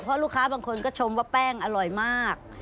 เพราะลูกค้าบางคนก็ชมว่าแป้งอร่อยมาก